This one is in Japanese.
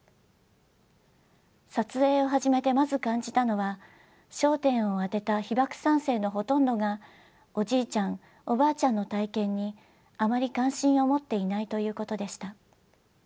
撮影を始めてまず感じたのは焦点を当てた被爆三世のほとんどがおじいちゃんおばあちゃんの体験にあまり関心を持っていないということでした。